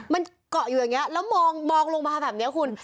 มันเกาะอยู่อย่างนี้แล้วมองลงมาแบบนี้คุณ